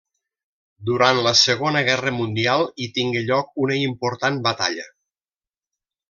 Durant la Segona Guerra Mundial hi tingué lloc una important batalla.